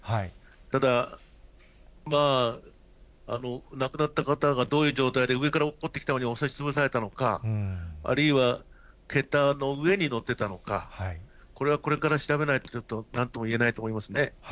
ただ、亡くなった方がどういう状態で、上からおっこってきたものに押しつぶされたのか、あるいは桁の上にのってたのか、これはこれから調べないと、ちょっとなんとも言えないと思いますね。